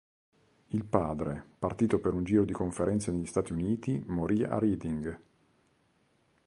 Il padre, partito per un giro di conferenze negli Stati Uniti, morì a Reading.